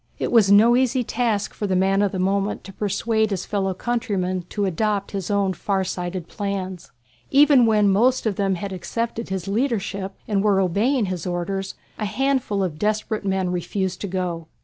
It was no easy task for the man of the moment to persuade his fellow countrymen to adopt his own far sighted plans. Even when most of them had accepted his leadership and were obeying his orders, a handful of desperate men refused to go.